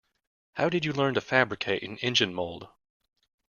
How did you learn to fabricate an engine mould?